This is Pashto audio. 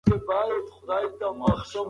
د واورې وړې دانې په ځمکه کښېناستې.